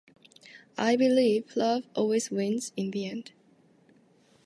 I believe love always wins in the end.